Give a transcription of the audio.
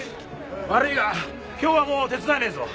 悪いが今日はもう手伝えねえぞ